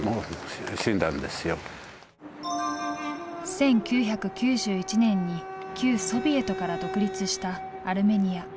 １９９１年に旧ソビエトから独立したアルメニア。